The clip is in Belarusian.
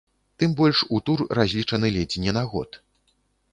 Тым больш, у тур, разлічаны ледзь не на год.